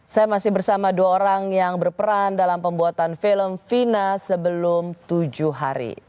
saya masih bersama dua orang yang berperan dalam pembuatan film fina sebelum tujuh hari